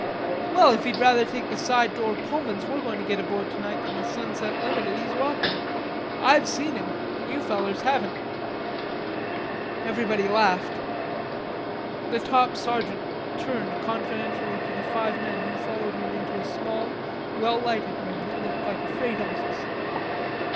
"Well, if he'd rather take the side door Pullmans we're going to get aboard tonight than the 'Sunset Limited,' he's welcome. I've seen 'em. You fellers haven't." Everybody laughed. The top sergeant turned confidentially to the five men who followed him into a small well lighted room that looked like a freight office.